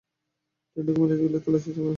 ট্রেনটি কুমিল্লায় গেলে তল্লাশি চালানো হয়।